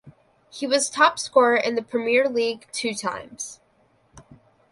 He was top scorer in the Premier League two times.